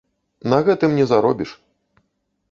На гэтым не заробіш.